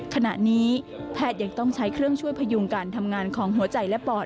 ขณะนี้แพทย์ยังต้องใช้เครื่องช่วยพยุงการทำงานของหัวใจและปอด